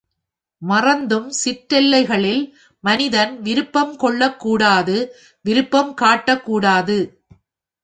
மறந்தும் சிற்றெல்லைகளில் மனிதன் விருப்பம் கொள்ளக்கூடாது விருப்பம் காட்டக்கூடாது.